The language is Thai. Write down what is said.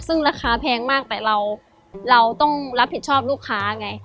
ซึ่งราคาแพงมากแต่เราต้องรับผิดชอบลูกค้าไง